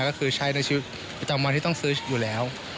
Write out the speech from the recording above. ก็คือใช้ในชีวิตประจำวันที่ต้องซื้ออยู่แล้ว